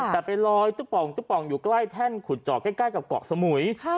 แต่ไปลอยตุ๊ป่องตุ๊ป่องอยู่ใกล้แท่นขุดเจาะใกล้กับเกาะสมุย